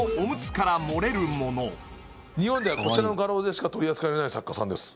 日本ではこちらの画廊でしか取り扱いがない作家さんです